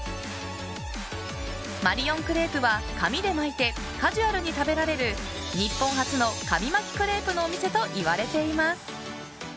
マリオンクレープは、紙で巻いてカジュアルに食べられる日本初の紙巻きクレープのお店といわれています。